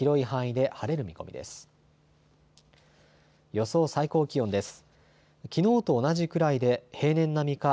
予想最高気温です。